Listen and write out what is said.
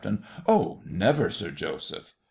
Oh, never, Sir Joseph.